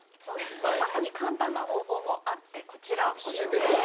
さらに簡単な方法もあってこちらをご紹介します。